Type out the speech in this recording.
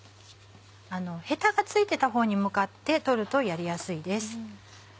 ヘタが付いてた方に向かって取るとやりやすいです。